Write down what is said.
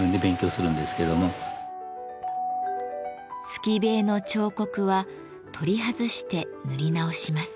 透塀の彫刻は取り外して塗り直します。